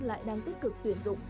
lại đang tích cực tuyển dụng